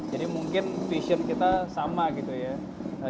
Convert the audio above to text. jadi mungkin visi kita sama gitu ya